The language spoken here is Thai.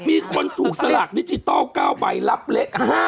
มีคนถูกสลากดิจิทัล๙ใบรับเลี้ยง๕๔ล้าน